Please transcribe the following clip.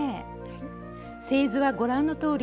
製図はご覧のとおりです。